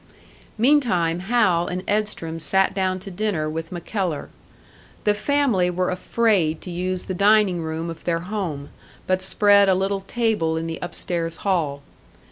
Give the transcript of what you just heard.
Meantime Hal and Edstrom sat down to dinner with MacKellar. The family were afraid to use the dining room of their home, but spread a little table in the upstairs hall.